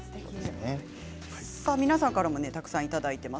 皆さんからも、たくさんいただいています。